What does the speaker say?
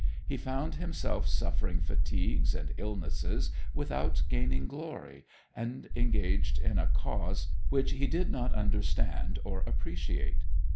He found himself suffering fatigues and illnesses without gaining glory, and engaged in a cause which he did not understand or appreciate.